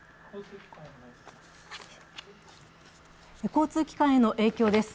交通機関への影響です。